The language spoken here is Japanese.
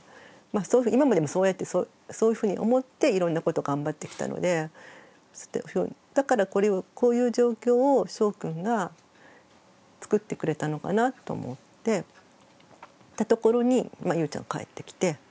今までもそうやってそういうふうに思っていろんなこと頑張ってきたのでだからこれをこういう状況をしょうくんがつくってくれたのかなと思ってたところにゆうちゃん帰ってきて。